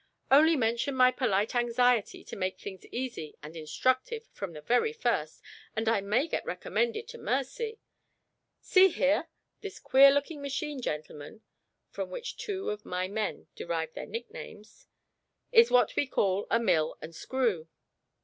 Only mention my polite anxiety to make things easy and instructive from the very first, and I may get recommended to mercy. See here this queer looking machine, gentlemen (from which two of my men derive their nicknames), is what we call a Mill and Screw."